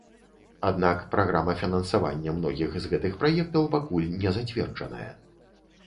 Аднак праграма фінансавання многіх з гэтых праектаў пакуль не зацверджаная.